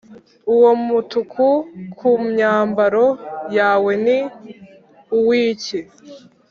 uwo mutuku ku myambaro yawe ni uw’iki,